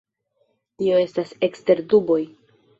Tio estas ekster duboj.